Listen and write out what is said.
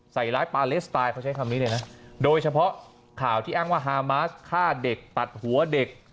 ใส่ร้ายปาเลสไตล์เขาใช้คำนี้เลยนะโดยเฉพาะข่าวที่อ้างว่าฮามาสฆ่าเด็กตัดหัวเด็ก